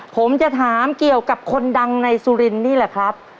ผมจะถามเกี่ยวกับคนดังในสุรินทร์นี่แหละครับ